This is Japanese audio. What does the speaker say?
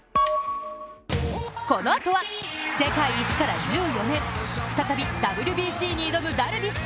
このあとは、世界一から１４年。再びＷＢＣに挑むダルビッシュ